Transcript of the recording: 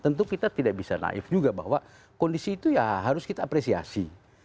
tentu kita tidak bisa naif juga bahwa kondisi itu ya harus kita apresiasi